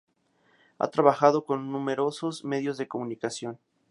Ha trabajado en numerosos medios de comunicación.